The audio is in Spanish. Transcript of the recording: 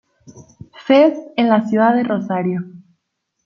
Fest en la Ciudad de Rosario.